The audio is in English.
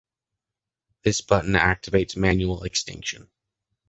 This button activates manual extinction.